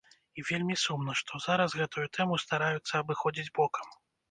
І вельмі сумна, што зараз гэтую тэму стараюцца абыходзіць бокам.